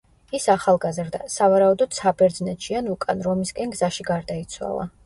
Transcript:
ის ახალგაზრდა, სავარაუდოდ საბერძნეთში ან უკან რომისკენ გზაში გარდაიცვალა.